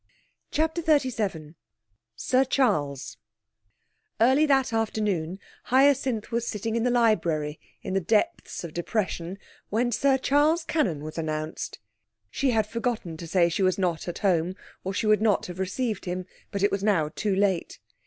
CHAPTER XXXVII Sir Charles Early that afternoon Hyacinth was sitting in the library in the depths of depression when Sir Charles Cannon was announced. She had forgotten to say she was not at home, or she would not have received him; but it was now too late.